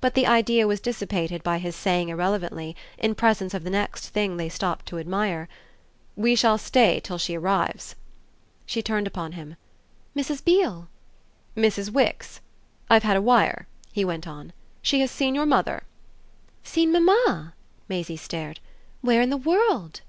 But the idea was dissipated by his saying irrelevantly, in presence of the next thing they stopped to admire: "We shall stay till she arrives." She turned upon him. "Mrs. Beale?" "Mrs. Wix. I've had a wire," he went on. "She has seen your mother." "Seen mamma?" Maisie stared. "Where in the world?"